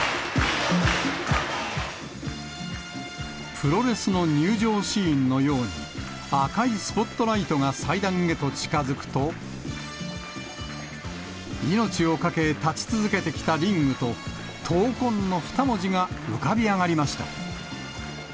プロレスの入場シーンのように、赤いスポットライトが祭壇へと近づくと、命を懸け、立ち続けてきたリングと、闘魂の２文字が浮かび上がりました。